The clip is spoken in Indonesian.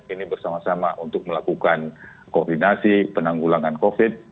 ini bersama sama untuk melakukan koordinasi penanggulangan covid